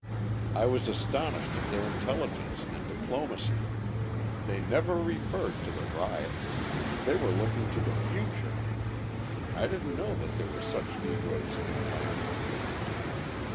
I was astonished at their intelligence and diplomacy. They never referred to the riot: they were looking to the future. I didn't know that there were such Negroes in Atlanta."